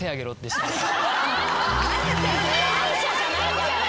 歯医者じゃないんだから。